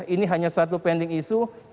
ini hanya satu pending issue